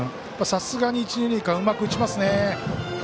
さすがに一、二塁間をうまく打ちましたね。